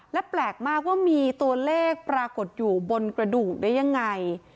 และแปลกมากว่ามีตัวเลขปรากฏอยู่บนกระดูกได้ยังไง